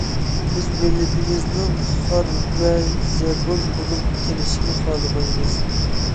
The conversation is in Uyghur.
بىز مىللىتىمىزنىڭ خار ۋە زەبۇن بولۇپ قېلىشىنى خالىمايمىز.